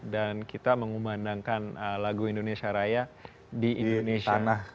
dan kita mengumandangkan lagu indonesia raya di indonesia